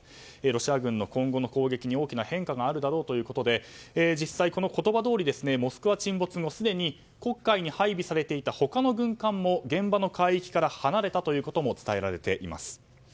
ロシア軍の今後の攻撃に大きな変化があるだろうということで実際、この言葉どおり「モスクワ」沈没後すでに黒海に配備されていた他の軍艦も現場の海域から離れたということも伝えられています。